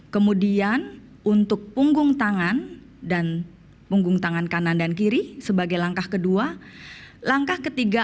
kemudian untuk punggung tangan dan punggung tangan kanan dan kiri sebagai langkah kedua langkah ketiga